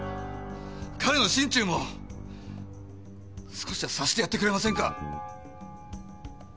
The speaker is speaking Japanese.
彼の心中も少しは察してやってくれませんか！